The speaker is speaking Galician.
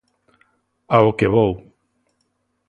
Ao que vou.